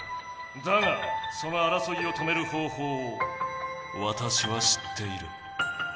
だがそのあらそいを止める方法をわたしは知っている。